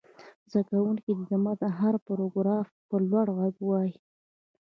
زده کوونکي دې د متن هر پراګراف په لوړ غږ ووايي.